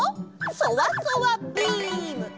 そわそわビーム！